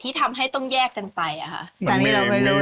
ที่ทำให้ต้องแยกกันไปอ่ะค่ะ